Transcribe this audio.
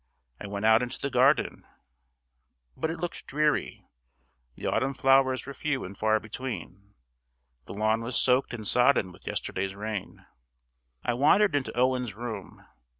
I went out into the garden, but it looked dreary; the autumn flowers were few and far between the lawn was soaked and sodden with yesterday's rain. I wandered into Owen's room.